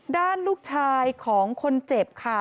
ด้านลูกชายของคนเจ็บค่ะ